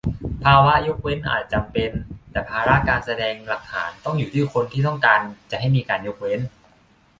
ภาวะยกเว้นอาจจำเป็น แต่ภาระการแสดงหลักฐานต้องอยู่ที่คนที่ต้องการจะให้มีการยกเว้น